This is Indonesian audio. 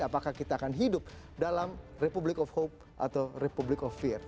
apakah kita akan hidup dalam republik of hope atau republic of fear